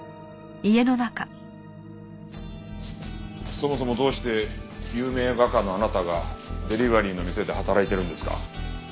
そもそもどうして有名画家のあなたがデリバリーの店で働いてるんですか？